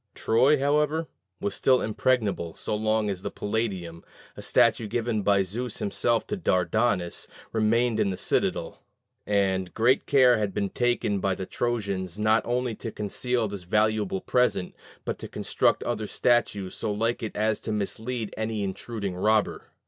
Troy, however, was still impregnable so long as the Palladium, a statue given by Zeus himself to Dardanus, remained in the citadel; and great care had been taken by the Trojans not only to conceal this valuable present, but to construct other statues so like it as to mislead any intruding robber.